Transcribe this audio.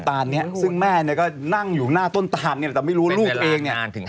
ตานนี้ซึ่งแม่เนี่ยก็นั่งอยู่หน้าต้นตานเนี่ยแต่ไม่รู้ลูกตัวเองเนี่ย